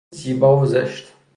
زیبا و زشت